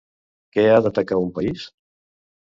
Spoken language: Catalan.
Què ha d'acatar un país?